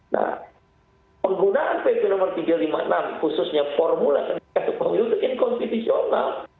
nah penggunaan pp nomor tiga ratus lima puluh enam khususnya formula pendidikan itu inkonstitusional